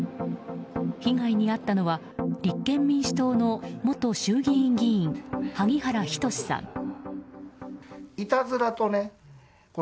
被害に遭ったのは、立憲民主党の元衆議院議員、萩原仁さん。